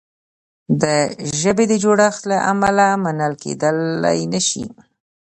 د ژبې د جوړښت له امله منل کیدلای نه شي.